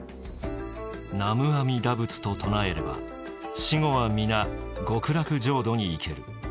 「南無阿弥陀仏と唱えれば死後は皆極楽浄土に行ける」。